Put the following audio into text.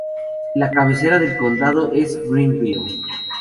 La cabecera del condado es Grenville.